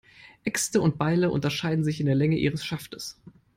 Äxte und Beile unterscheiden sich in der Länge ihres Schaftes.